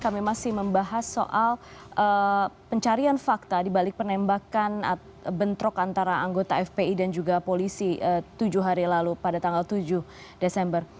kami masih membahas soal pencarian fakta dibalik penembakan bentrok antara anggota fpi dan juga polisi tujuh hari lalu pada tanggal tujuh desember